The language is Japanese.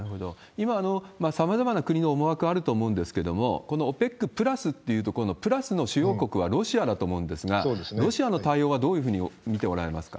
今、さまざまな国の思惑はあると思うんですけれども、このＯＰＥＣプラスというところのプラスの主要国はロシアだと思うんですが、ロシアの対応はどういうふうに見ておられますか？